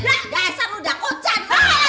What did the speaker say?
gaesan udah kocan